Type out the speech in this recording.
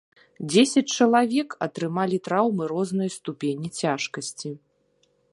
Дзесяць чалавек атрымалі траўмы рознай ступені цяжкасці.